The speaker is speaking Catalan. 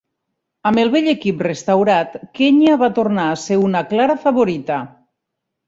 Amb el vell equip restaurat, Kenya va tornar a ser una clara favorita.